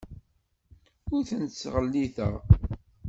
Ur ten-ttɣelliteɣ.